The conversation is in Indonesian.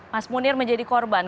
mas munir menjadi korban